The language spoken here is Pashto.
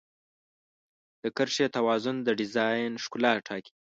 د کرښې توازن د ډیزاین ښکلا ټاکي.